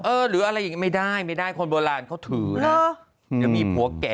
เออหรืออะไรอย่างนี้ไม่ได้คนโบราณเขาถือนะ